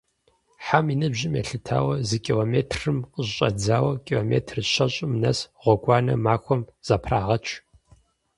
Хьэм и ныбжьым елъытауэ, зы километрым къыщыщӀэдзауэ, километр щэщӏым нэс гъуэгуанэ махуэм зэпрагъэч.